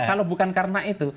kalau bukan karena itu